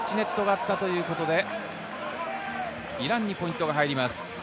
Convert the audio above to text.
日本にタッチネットがあったということで、イランにポイントが入ります。